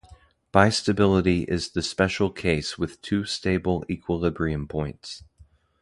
Bistability is the special case with two stable equilibrium points.